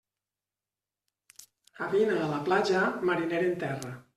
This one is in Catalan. Gavina a la platja, mariner en terra.